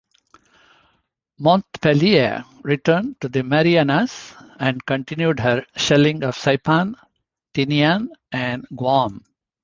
"Montpelier" returned to the Marianas, and continued her shelling of Saipan, Tinian, and Guam.